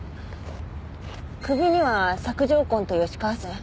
首には索状痕と吉川線。